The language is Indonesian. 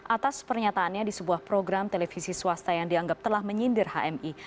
atas pernyataannya di sebuah program televisi swasta yang dianggap telah menyindir hmi